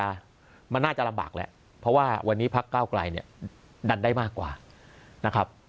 ลำบากแหละเพราะว่าวันนี้พักเก้าไกลเนี้ยดันได้มากกว่านะครับ